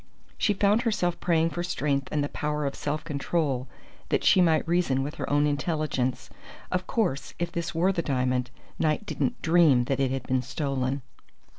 She found herself praying for strength and the power of self control that she might reason with her own intelligence. Of course, if this were the diamond, Knight didn't dream that it had been stolen.